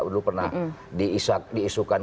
belum pernah diisukan